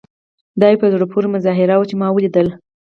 دا یوه په زړه پورې مظاهره وه چې ما ولیدله.